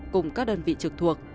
cùng các đơn vị trực thuộc